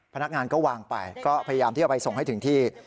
พนักงานก็วางไปก็พยายามที่เอาไปส่งให้ถึงที่